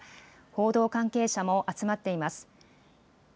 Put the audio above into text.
報道関係者も集まっています。